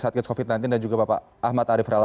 satgas covid sembilan belas dan juga bapak ahmad arief rala